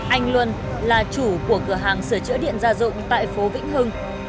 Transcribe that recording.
anh luân là chủ của cửa hàng sửa chữa điện gia dụng tại phố vĩnh hưng